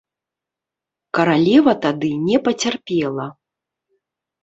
Каралева тады не пацярпела.